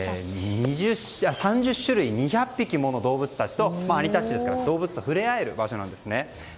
３０種類２００匹もの動物とアニタッチですから動物と触れ合える場所なんですね。